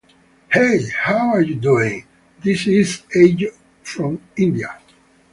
Hey!!! How are you doing ??? This is Aj from India.